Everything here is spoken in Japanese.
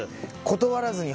断らずに。